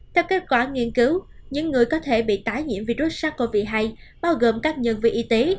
theo kết quả nghiên cứu những người có thể bị tái nhiễm virus sars cov hai bao gồm các nhân viên y tế